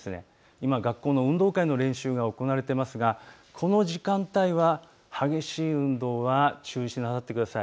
今、学校の運動会の練習が行われていますがこの時間帯は激しい運動は中止なさってください。